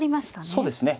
そうですね。